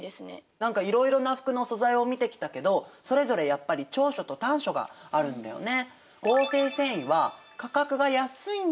何かいろいろな服の素材を見てきたけどそれぞれやっぱり長所と短所があるんだよね。